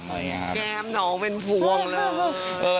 แก้มหนองเป็นพวงเลย